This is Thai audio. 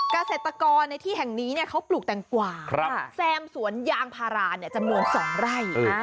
เกษตรกรในที่แห่งนี้เนี้ยเขาปลูกแตงกวาครับแซมสวนยางพาราเนี้ยจำนวนสองไร่อือ